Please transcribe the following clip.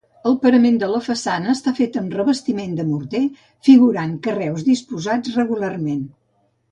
El parament de la façana està fet amb revestiment de morter, figurant carreus disposats regularment.